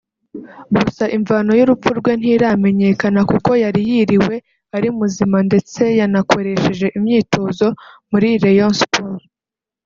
gusa imvano y’urupfu rwe ntiramenyekana kuko yari yiriwe ari muzima ndetse yanakoresheje imyitozo muri Rayon Sports